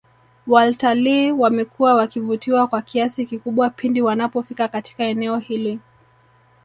Waltalii wamekuwa wakivutiwa kwa kiasi kikubwa pindi wanapofika Katika eneo hili